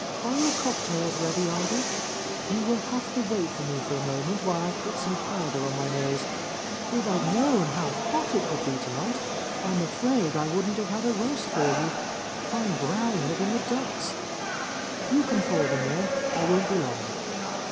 "Are your cocktails ready. Ivy? You will have to wait for me a moment, while I put some powder on my nose. If I'd known how hot it — I?Q — A Lost Lady would be tonight, I'm afraid I wouldn't have had a roast for you. I'm browner than the dudes. You can pour them though. I won't be long."